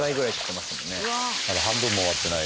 まだ半分も終わってないよ。